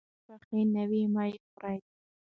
که مېوې پخې نه وي، مه یې خورئ.